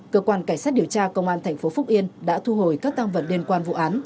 cơ quan cảnh sát điều tra công an tp phúc yên đã thu hồi các tăng vật liên quan vụ án